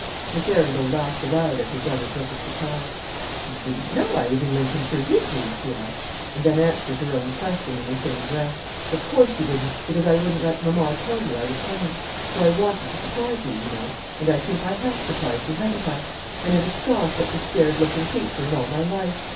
Miss Arundel laughed aloud at her brother's look of surprise. "You didn't know I was in Lincolnshire, did you?" she asked; and then answered her own question in the same breath: "Of course you didn't, because I wouldn't let mamma tell you I was coming; for I wanted to surprise you, you know. And I think I have surprised you, haven't I? I never saw such a scared looking creature in all my life.